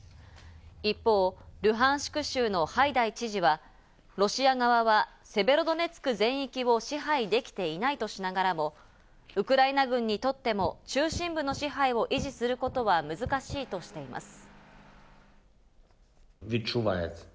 一方、ルハンシク州のハイダイ知事は、ロシア側はセベロドネツク全域を支配できていないとしながらも、ウクライナ軍にとっても中心部の支配を維持することは難しいとしています。